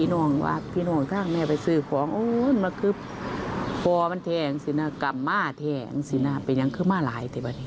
ลองฟังค่ะ